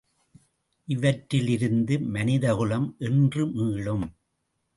இவற்றிலிருந்து மனிதகுலம் என்று மீளும்?